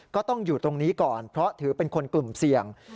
ก็ต้องอยู่ตรงนี้ก่อนเพราะถือเป็นคนกลุ่มเสี่ยง